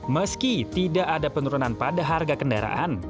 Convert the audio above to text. meski tidak ada penurunan pada harga kendaraan